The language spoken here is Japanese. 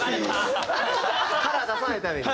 カラー出さないために。